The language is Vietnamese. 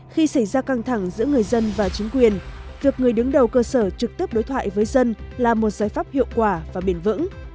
khi xảy ra căng thẳng giữa người dân và chính quyền việc người đứng đầu cơ sở trực tiếp đối thoại với dân là một giải pháp hiệu quả và bền vững